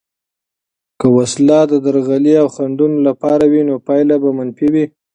که وسله د درغلي او خنډونو لپاره وي، نو پایله به منفي وي.